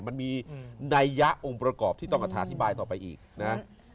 มันมีนัยยะองค์ประกอบที่ต้องอธิบายต่อไปอีกนะ